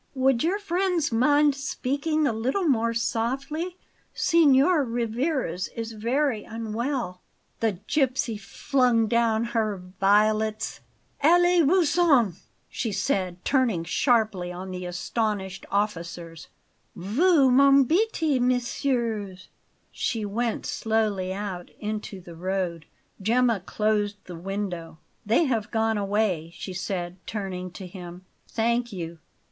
"Would your friends mind speaking a little more softly? Signor Rivarez is very unwell." The gipsy flung down her violets. "Allez vous en!" she said, turning sharply on the astonished officers. "Vous m'embetez, messieurs!" She went slowly out into the road. Gemma closed the window. "They have gone away," she said, turning to him. "Thank you.